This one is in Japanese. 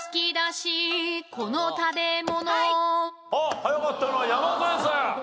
早かったのは山添さん。